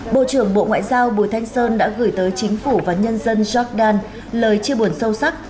bộ trưởng bộ ngoại giao bùi thanh sơn đã gửi tới chính phủ và nhân dân jordan lời chia buồn sâu sắc